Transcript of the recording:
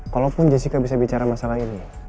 kalaupun jessica bisa bicara masalah ini